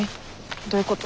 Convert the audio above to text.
どういうこと？